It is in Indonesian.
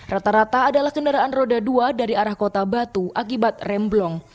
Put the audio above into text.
rata rata adalah kendaraan roda dua dari arah kota batu akibat remblong